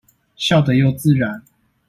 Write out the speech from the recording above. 笑得又自然